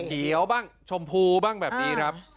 เขียวบ้างชมพูบ้างแบบนี้ครับ